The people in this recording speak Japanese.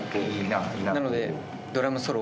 なので。